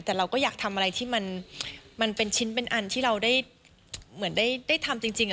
แต่เราก็อยากทำอะไรที่มันเป็นชิ้นเป็นอันที่เราได้เหมือนได้ทำจริง